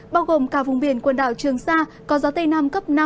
bao gồm cả vùng biển quần đảo trường sa có gió tây nam cấp năm